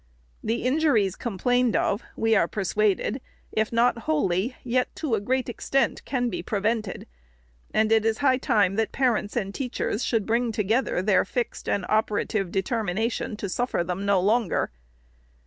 The injuries complained of, we are persuaded, if not wholly, yet to a great extent, can be prevented ; and it is high time that parents and teachers should bring together their fixed and operative determi nation, to suffer them no longer.